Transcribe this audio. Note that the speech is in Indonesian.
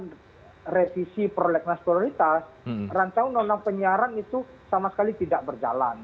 dalam revisi prolegnas prioritas rancangan undang undang penyiaran itu sama sekali tidak berjalan